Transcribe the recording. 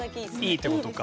いいってことか。